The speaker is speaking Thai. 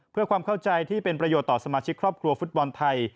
เพื่อความเข้าใจที่เป็นประโยชน์ต่อสมาชิกครอบครัวฟุตบอลไทย